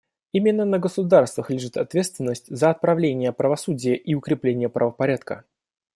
Именно на государствах лежит ответственность за отправление правосудия и укрепление правопорядка.